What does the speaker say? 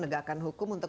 terima kasih banyak